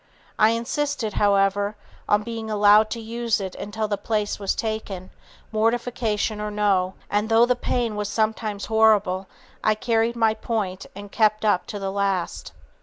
I insisted, however, on being allowed to use it until the place was taken, mortification or no; and though the pain was sometimes horrible I carried my point and kept up to the last.